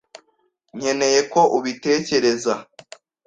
nkeneye ko ubitekereza.